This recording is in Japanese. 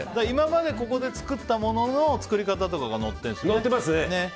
今までここで作ったものの作り方とかが載っているんだよね。